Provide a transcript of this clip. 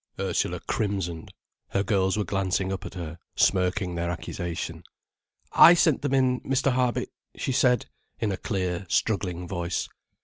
Ursula crimsoned. Her girls were glancing up at her, smirking their accusation. "I sent them in, Mr. Harby," she said, in a clear, struggling voice.